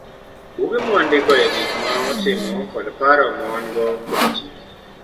Buge ma wandikoe gik ma watimo kod paro ma wan go kuom ji.